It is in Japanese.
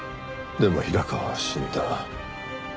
でも平川は死んだ。